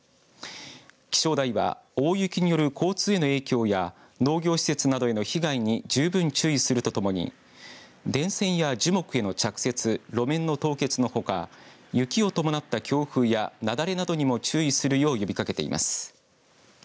気象台は大雪による交通への影響や農業施設などへの被害に十分注意するとともに電線や樹木への着雪路面の凍結のほか雪を伴った強風や雪崩などにも注意するよう呼びかけています。